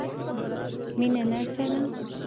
مينه نرسه ده.